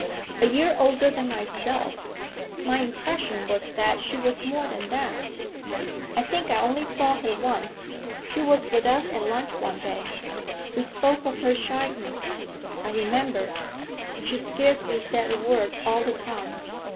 'A year older than myself; my impression was that she was more than that. I think I only saw her once; she was with us at lunch one day. We spoke of her shyness, I remember; she scarcely said a word all the time.'